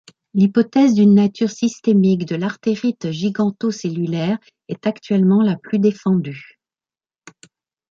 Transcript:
L’hypothèse d’une nature systémique de l’artérite gigantocellulaire est actuellement la plus défendue.